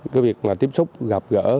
cái việc là tiếp xúc gặp gỡ